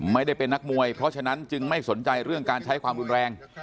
ไม่ได้เป็นนักมวยเพราะฉะนั้นจึงไม่สนใจเรื่องการใช้ความรุนแรง